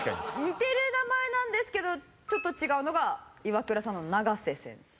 似てる名前なんですけどちょっと違うのがイワクラさんのながせ選手。